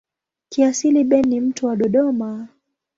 Kiasili Ben ni mtu wa Dodoma.